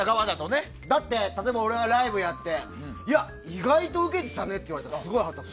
だって、例えば俺がライブやって意外とウケてたねって言われたらすごい腹立つ。